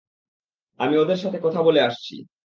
আমি ওদের সাথে কথা বলে আসছি।